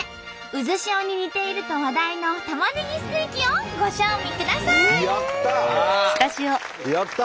渦潮に似ていると話題のたまねぎステーキをご賞味ください！